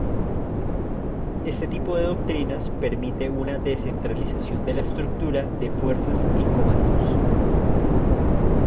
Este tipo de doctrinas permite una descentralización de la estructura de fuerzas y comandos.